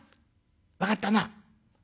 分かったな。